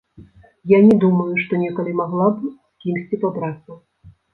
Я не думаю, што некалі магла б з кімсьці пабрацца.